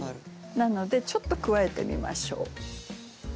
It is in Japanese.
なのでちょっと加えてみましょう。